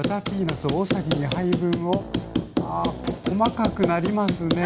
ああ細かくなりますね。